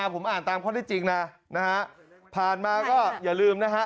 ผมอ่านตามข้อได้จริงนะผ่านมาก็อย่าลืมนะฮะ